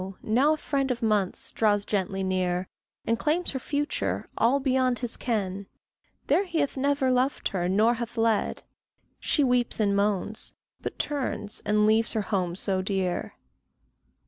now a friend of months draws gently near, And claims her future all beyond his ken There he hath never loved her nor hath led: She weeps and moans, but turns, and leaves her home so dear.